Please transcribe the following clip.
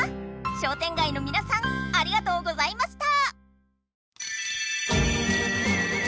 商店街のみなさんありがとうございました！